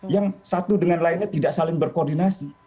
yang satu dengan lainnya tidak saling berkoordinasi